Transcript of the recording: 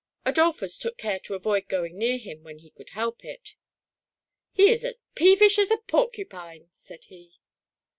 Adolphus took care to avoid going near him when he could help it ;—" He is as peevish as a porcu pine !" said he.